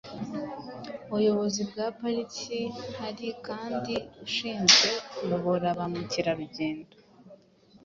ubuyobozi bwa pariki. Hari kandi ushinzwe kuyobora ba mukerarugendo